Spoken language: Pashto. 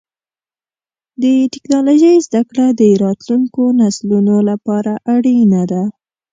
د ټکنالوجۍ زدهکړه د راتلونکو نسلونو لپاره اړینه ده.